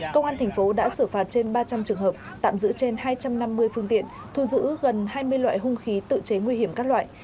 công an thành phố đã xử phạt trên ba trăm linh trường hợp tạm giữ trên hai trăm năm mươi phương tiện thu giữ gần hai mươi loại hung khí tự chế nguy hiểm các loại